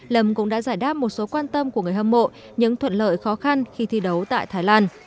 lâm cũng đã giải đáp một số quan tâm của người hâm mộ những thuận lợi khó khăn khi thi đấu tại thái lan